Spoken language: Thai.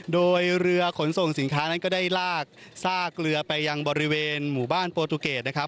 โดยเรือขนส่งสินค้านั้นก็ได้ลากซากเรือไปยังบริเวณหมู่บ้านโปรตูเกตนะครับ